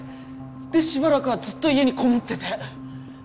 でしばらくはずっと家にこもってて。